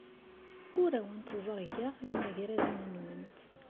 Ur awent-ẓerrgeɣ imagraden-nwent.